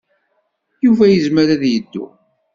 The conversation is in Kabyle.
Yuba yezmer ad yeddu.